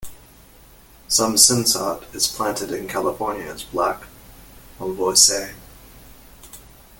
Some Cinsaut is planted in California as Black Malvoisie.